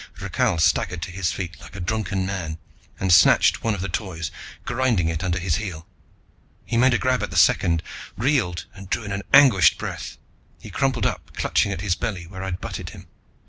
Rakhal staggered to his feet like a drunken man and snatched one of the Toys, grinding it under his heel. He made a grab at the second, reeled and drew an anguished breath. He crumpled up, clutching at his belly where I'd butted him.